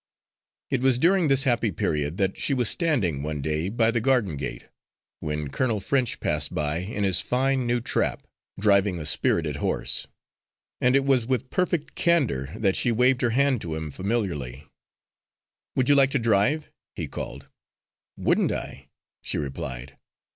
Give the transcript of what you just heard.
It was during this happy period that she was standing, one day, by the garden gate, when Colonel French passed by in his fine new trap, driving a spirited horse; and it was with perfect candour that she waved her hand to him familiarly. "Would you like a drive?" he called. "Wouldn't I?" she replied.